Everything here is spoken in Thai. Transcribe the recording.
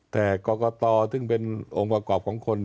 แต่กรกตซึ่งเป็นองค์ประกอบของคน